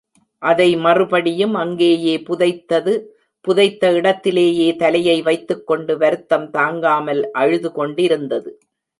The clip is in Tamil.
அதை மறுபடியும் அங்கேயே புதைத்தது புதைத்த இடத்திலேயே தலையை வைத்துக்கொண்டு, வருத்தம் தாங்காமல் அழுதுகொண்டிருந்தது.